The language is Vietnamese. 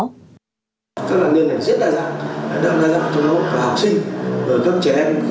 các nạn nhân này rất đa dạng